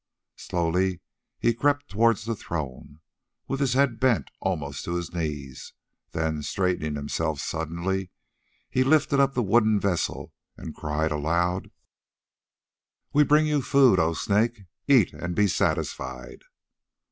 Slowly he crept towards the throne, with his head bent almost to his knees; then, straightening himself suddenly, he lifted up the wooden vessel and cried aloud: "We bring you food, O Snake. Eat and be satisfied."